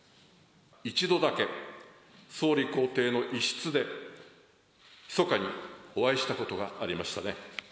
一度だけ、総理公邸の一室で、ひそかにお会いしたことがありましたね。